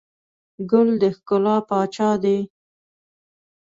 ګل د ښکلا پاچا دی.